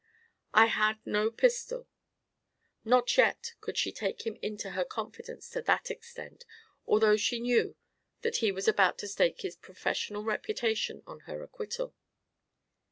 "I had no pistol." Not yet could she take him into her confidence to that extent, although she knew that he was about to stake his professional reputation on her acquittal.